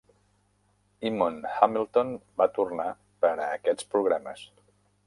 Eamon Hamilton va tornar per a aquests programes.